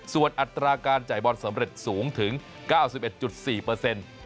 ส่วนอัตราการจ่ายบอลสำเร็จสูงถึง๙๑๔เปอร์เซ็นต์